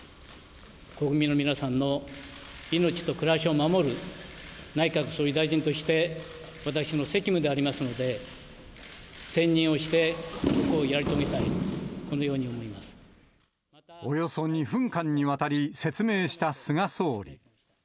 国民の皆さんの命と暮らしを守る内閣総理大臣として私の責務でありますので、専任をして、これをやり遂げたい、このように思いまおよそ２分間にわたり説明した菅総理。